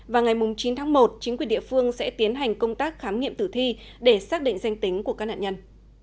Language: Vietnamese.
và ngày chín tháng một chính quyền địa phương sẽ tiến hành công tác khám nghiệm tử thi để xác định danh tính của các nạn nhân